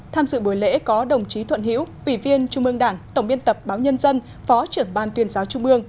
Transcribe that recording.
tham dự buổi lễ có đồng chí thuận hiễu ủy viên trung ương đảng tổng biên tập báo nhân dân phó trưởng ban tuyên giáo trung ương